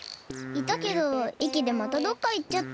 いたけどいきでまたどっかいっちゃった。